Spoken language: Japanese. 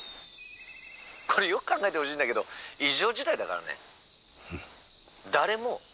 これよく考えてほしいんだけど異常事態だからね」。